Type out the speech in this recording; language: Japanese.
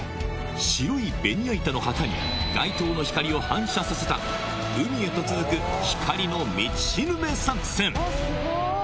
白いベニヤ板に街灯の光を反射させた海へと続く光の道しるべ作戦。